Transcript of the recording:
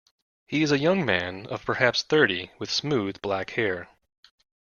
He is a young man of perhaps thirty, with smooth, black hair.